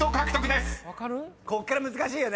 こっから難しいよね。